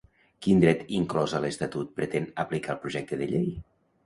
Quin dret inclòs a l'estatut pretén aplicar el projecte de llei?